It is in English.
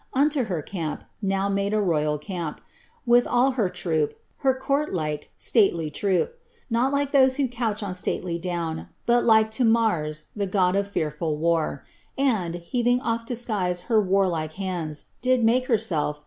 Unto her camp (now made a loyal camp) Wiib all her troop, (her court like, stately troop ;) Not Itko to diose who couch on stately down, Bui like lo Mars, the god of fearful war; And, heaving oli lo skies her warlike hands, Cid make herself.